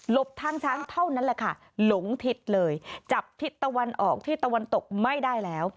บทางช้างเท่านั้นแหละค่ะหลงทิศเลยจับทิศตะวันออกที่ตะวันตกไม่ได้แล้ว